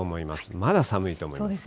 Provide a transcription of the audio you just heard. まだ寒いと思います。